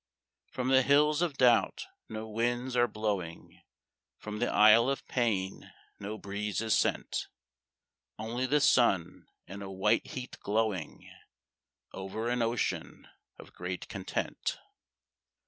From the hills of doubt no winds are blowing, From the isle of pain no breeze is sent. Only the sun in a white heat glowing Over an ocean of great content.